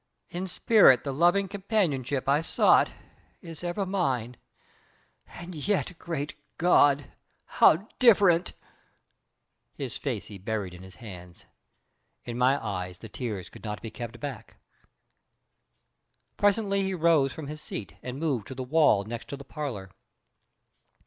In spirit the loving companionship I sought is ever mine, and yet, great God, how different!" His face he buried in his hands. In my eyes the tears could not be kept back. Presently he rose from his seat and moved to the wall next to the parlor.